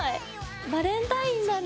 バレンタインだね。